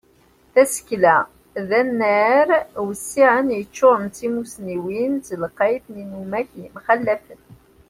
Tasekla d anar wissiɛen, yeččuren d timusniwin d telqayt n yinumak yemxalafen.